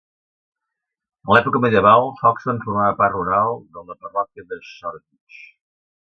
En l'època medieval, Hoxton formava part rural de la parròquia de Shoreditch.